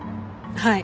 はい。